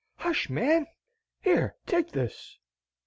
"Hush, man; here, take this!"